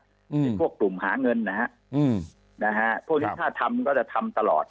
ในพวกกลุ่มหาเงินนะฮะพวกนี้ถ้าทำก็จะทำตลอด